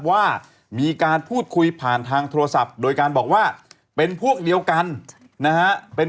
ว่ามีการพูดคุยผ่านทางโทรศัพท์โดยการบอกว่าเป็นพวกเดียวกันนะฮะเป็น